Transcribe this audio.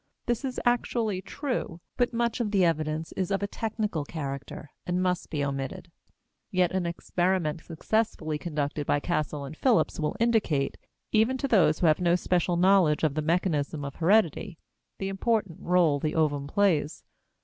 This is actually true; but much of the evidence is of a technical character and must be omitted. Yet an experiment successfully conducted by Castle and Phillips will indicate, even to those who have no special knowledge of the mechanism of heredity, the important role the ovum plays.